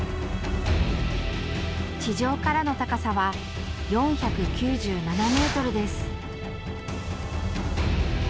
地上からの高さは４９７ｍです。